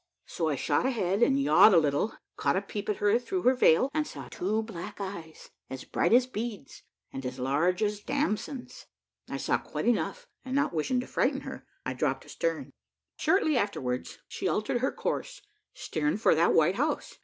So I shot ahead, and yawed a little caught a peep at her through her veil, and saw two black eyes as bright as beads, and as large as damsons. I saw quite enough, and not wishing to frighten her, I dropped astern. Shortly afterwards she altered her course, steering for that white house.